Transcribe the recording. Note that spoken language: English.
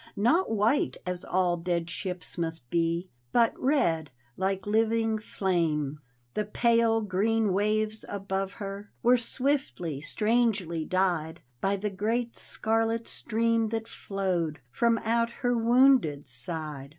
Not white, as all dead ships must be. But red, like living flame! The pale green waves above her Were swiftly, strangely dyed. By the great scarlet stream that flowed From out her wounded side.